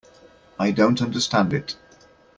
I don't understand it.